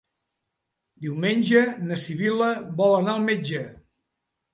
Diumenge na Sibil·la vol anar al metge.